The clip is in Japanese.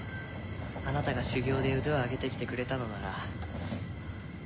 あなたが修行で腕を上げて来てくれたのなら。